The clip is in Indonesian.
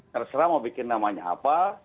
terserah mau bikin namanya apa